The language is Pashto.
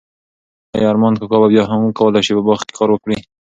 ایا ارمان کاکا به بیا هم وکولای شي په باغ کې کار وکړي؟